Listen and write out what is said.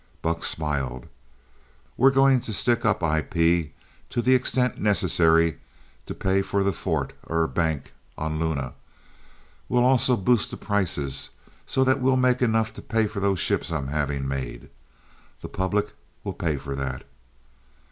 Buck smiled. "We're going to stick up IP to the extent necessary to pay for that fort er bank on Luna. We'll also boost the price so that we'll make enough to pay for those ships I'm having made. The public will pay for that."